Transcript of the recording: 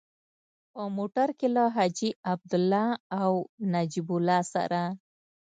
په موټر کې له حاجي عبدالله او نجیب الله سره.